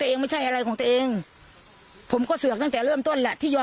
เองไม่ใช่อะไรของตัวเองผมก็เสือกตั้งแต่เริ่มต้นแหละที่ยอม